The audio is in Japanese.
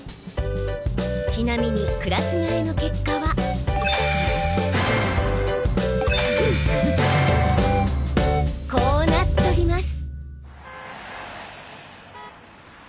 ちなみにクラス替えの結果はこうなっとります